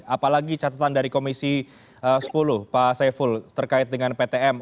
apalagi catatan dari komisi sepuluh pak saiful terkait dengan ptm